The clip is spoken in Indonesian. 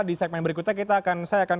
di segmen berikutnya saya akan